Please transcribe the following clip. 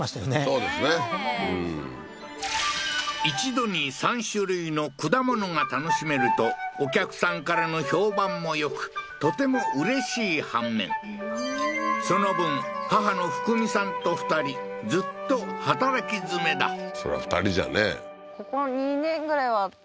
そうですね一度に３種類の果物が楽しめるとお客さんからの評判もよくとてもうれしい反面その分母の富久美さんと２人ずっと働き詰めだそりゃ２人じゃね